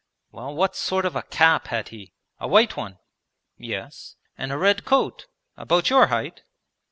'Well, what sort of a cap had he, a white one?' 'Yes.' 'And a red coat? About your height?'